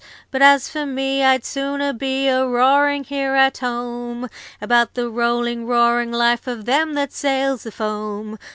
'But as for me, I'd sooner be A roaring here at home About the rolling, roaring life Of them that sails the foam.